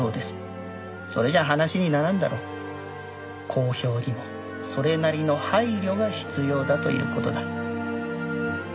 公表にもそれなりの配慮が必要だという事だ。